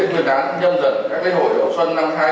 tài nạn không giá trả